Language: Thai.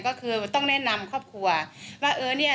ก็คือต้องแนะนำครอบครัวว่าเออเนี่ย